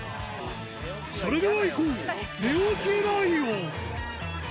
それではいこう、寝起きライオン。